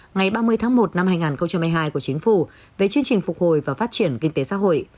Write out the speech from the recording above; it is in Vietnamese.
ngày ba mươi tháng một năm hai nghìn hai mươi hai của chính phủ về chương trình phục hồi và phát triển kinh tế xã hội